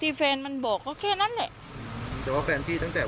มีเฟมมันบอกเค้าแค่นั้นแหละนึกว่าแฟนพี่ตั้งจาก